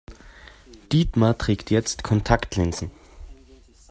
Dietmar trägt jetzt Kontaktlinsen.